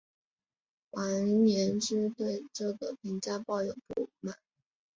王延之对这个评价抱有不满。